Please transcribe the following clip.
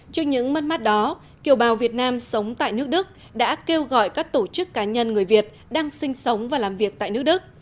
trước những mất mắt đó kiều bào việt nam sống tại nước đức đã kêu gọi các tổ chức cá nhân người việt đang sinh sống và làm việc tại nước đức